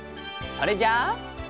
それじゃあ。